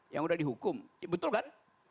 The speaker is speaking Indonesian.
yang udah dihukum betul kan